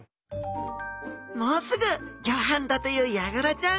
もうすぐギョはんだというヤガラちゃん。